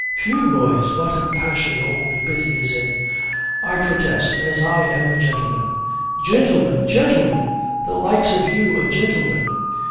"Whew! boys, what a passion old Biddy is in; I protest, as I'm a gentleman " "Jintleman! jintleman! the likes of you a jintleman!